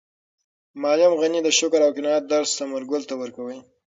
معلم غني د شکر او قناعت درس ثمرګل ته ورکاوه.